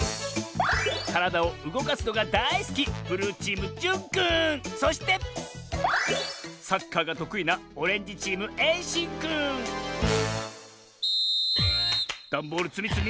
からだをうごかすのがだいすきそしてサッカーがとくいなダンボールつみつみスタート！